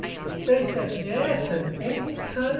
They said, "Yes," and, "Ain't he cunnin'?"